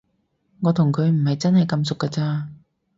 我同佢唔係真係咁熟㗎咋